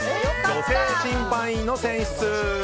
女性審判員の選出。